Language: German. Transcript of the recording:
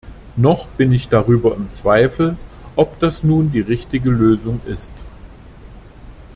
Noch bin ich darüber im Zweifel, ob das nun die richtige Lösung ist.